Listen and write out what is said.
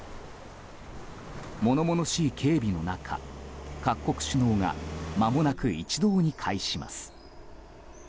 物々しい警備の中、各国首脳がまもなく一堂に会します。